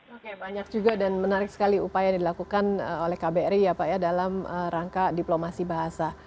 oke banyak juga dan menarik sekali upaya yang dilakukan oleh kbri ya pak ya dalam rangka diplomasi bahasa